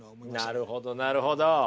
なるほどなるほど！